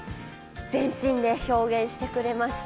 全身で表現してくれました。